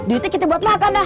duitnya kita buat makan dah